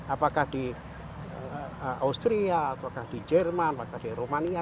apakah di austria atau di jerman atau di rumania